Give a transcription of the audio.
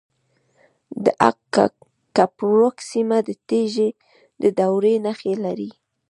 د اق کپروک سیمه د تیږې د دورې نښې لري